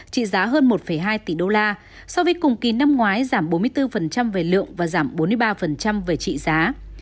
trị giá hơn một hai tỷ đô la so với cùng kỳ năm ngoái giảm bốn mươi bốn về lượng và giảm bốn mươi ba về trị giá